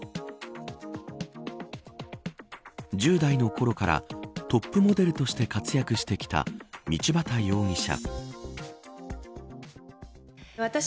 １０代のころからトップモデルとして活躍してきた道端容疑者。